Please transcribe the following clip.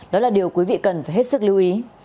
đó là điều quý vị cần phải hết sức lưu ý